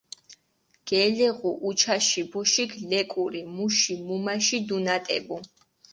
გელეღუ უჩაში ბოშიქ ლეკური მუში მუმაში დუნატებუ.